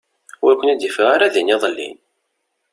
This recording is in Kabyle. Ur ken-id-ufiɣ ara din iḍelli.